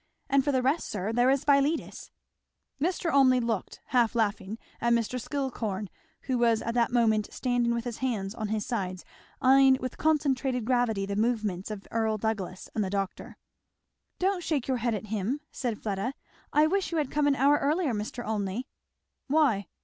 And for the rest, sir, there is Philetus!" Mr. Olmney looked, half laughing, at Mr. Skillcorn, who was at that moment standing with his hands on his sides, eying with concentrated gravity the movements of Earl Douglass and the doctor. "Don't shake your head at him!" said Fleda. "I wish you had come an hour earlier, Mr. Olmney." "Why?"